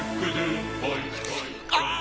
ああ！